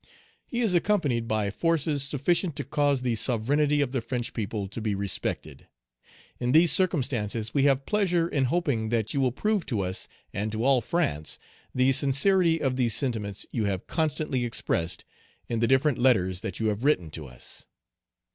He is accompanied by forces sufficient to cause the sovereignty of the French people to be respected. In these circumstances, we have pleasure in hoping that you will prove to us and to all France the sincerity of the sentiments you have constantly expressed in the different letters that you have written to us.